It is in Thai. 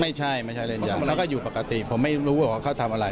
ไม่ใช่ไม่ใช่เล่นใหญ่แล้วก็อยู่ปกติผมไม่รู้ว่าเขาทำอะไร